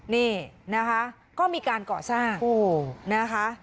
นี่นะคะก็มีการก่อสร้างนะคะ